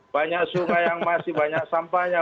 banyak sungai yang masih banyak sampahnya